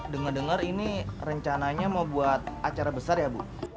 dengar dengar ini rencananya mau buat acara besar ya bu